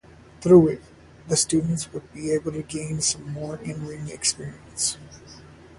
Through it, the students would be able to gain some more in-ring experience.